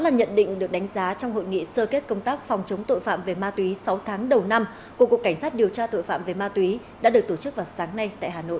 nhận định được đánh giá trong hội nghị sơ kết công tác phòng chống tội phạm về ma túy sáu tháng đầu năm của cục cảnh sát điều tra tội phạm về ma túy đã được tổ chức vào sáng nay tại hà nội